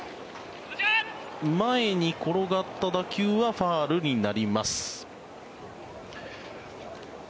前に転がった打球はファウルになります。